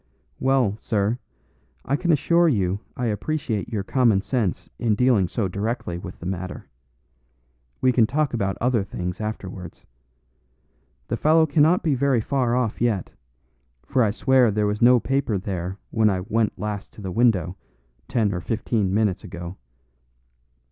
Well, sir, I can assure you I appreciate your common sense in dealing so directly with the matter. We can talk about other things afterwards. The fellow cannot be very far off yet, for I swear there was no paper there when I went last to the window, ten or fifteen minutes ago.